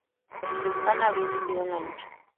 El sultán habría insistido en la lucha.